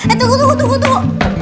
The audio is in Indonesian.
eh tunggu tunggu tunggu